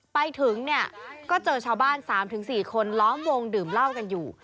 ไปถึงเนี่ยก็เจอชาวบ้าน๓๔คนล้อมวงดื่มเหล้ากันอยู่